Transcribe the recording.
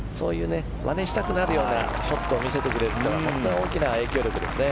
まねしたくなるようなショットを見せてくれるのは大きな影響ですね。